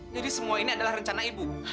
jadi semua ini adalah rencana ibu